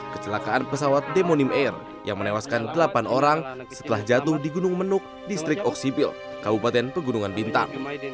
kecelakaan pesawat demonim air yang menewaskan delapan orang setelah jatuh di gunung menuk distrik oksibil kabupaten pegunungan bintang